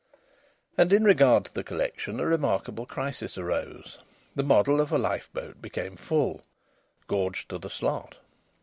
And in regard to the collection, a remarkable crisis arose. The model of a lifeboat became full, gorged to the slot.